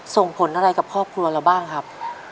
ส่งผลอะไรกับครอบครัวเราบ้างครับ